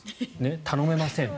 頼めません。